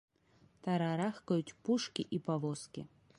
Тарарахкаюць пушкі і павозкі.